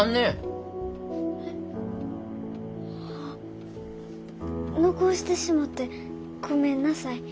あ残してしもてごめんなさい。